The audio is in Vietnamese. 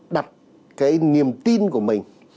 đặt cái niềm tin của mình